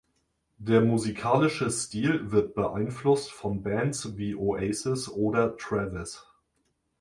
Der musikalische Stil wird beeinflusst von Bands wie Oasis oder Travis.